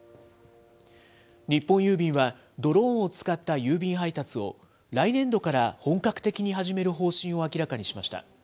日本郵便は、ドローンを使った郵便配達を、来年度から本格的に始める方針を明らかにしました。